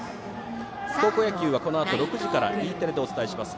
高校野球は、このあと６時からＥテレでお伝えします。